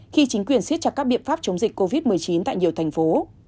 khi chính quyền xiết chặt các biện pháp chống dịch covid một mươi chín tại nhiều thành phố